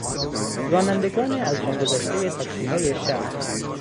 رانندگان از جان گذشتهی تاکسیهای شهر